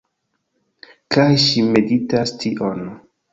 Kaj ŝi meditas tion